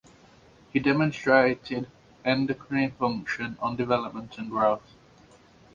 He demonstrated endocrine function on development and growth.